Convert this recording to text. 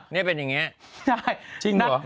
นัดไปฉีดกัน